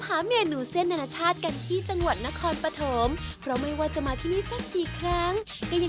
ทำหางหมูมานี้ก็๓๐ปีแล้ว